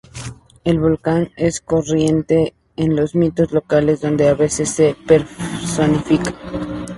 El volcán es corriente en los mitos locales, donde a veces se personifica.